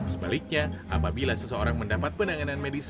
sebaliknya apabila seseorang mendapat penanganan medis